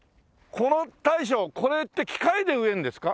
大将これって機械で植えるんですか？